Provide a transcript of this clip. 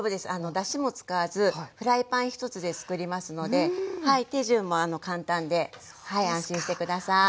だしも使わずフライパン１つでつくりますので手順も簡単で安心して下さい。